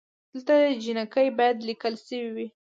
دلته جینکۍ بايد ليکل شوې وئ